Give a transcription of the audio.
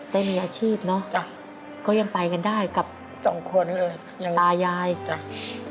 ได้มีอาชีพเนอะก็ยังไปกันได้กับตายายครับ